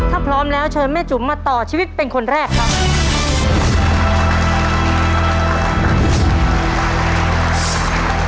ถ้าพร้อมแล้วเชิญแม่จุ๋มมาต่อชีวิตเป็นคนแรกครับ